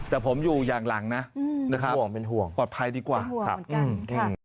แต่ผมอยู่อย่างหลังนะนะครับปลอดภัยดีกว่าครับอืมค่ะเป็นห่วงเป็นห่วง